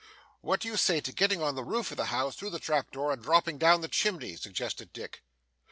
'What do you say to getting on the roof of the house through the trap door, and dropping down the chimney?' suggested Dick.